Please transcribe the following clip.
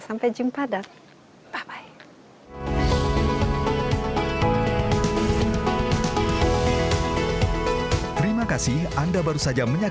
sampai jumpa dan bye bye